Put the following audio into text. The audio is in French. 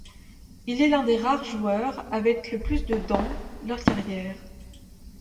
Il est l'un des rares joueurs avec plus de dans leur carrière.